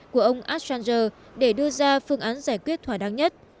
của ông assanger để đưa ra phương án giải quyết thỏa đáng nhất